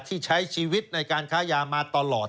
ที่ใช้ชีวิตในการค้ายามาตลอด